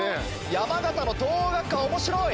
山形の東桜学館面白い！